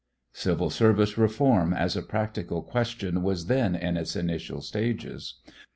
Civil service reform as a practical question was then in its initial stages.